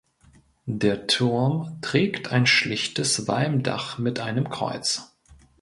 Der Turm trägt ein schlichtes Walmdach mit einem Kreuz.